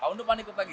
tahun depan ikut lagi